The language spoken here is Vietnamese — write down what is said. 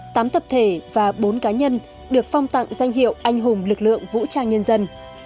tám tập thể và bốn cá nhân được phong tặng danh hiệu anh hùng lực lượng vũ trang nhân dân